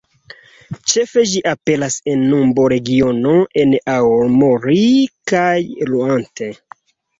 Ĉefe ĝi aperas en Nambu-regiono en Aomori, kaj Iŭate.